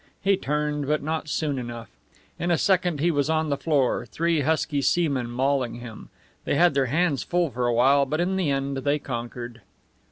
He turned, but not soon enough. In a second he was on the floor, three husky seamen mauling him. They had their hands full for a while, but in the end they conquered.